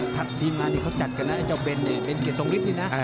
ถัดทีมร้านที่เขาจัดกันนะไอ้เจ้าเบนเกียรติสงฤทธิ์นี่นะ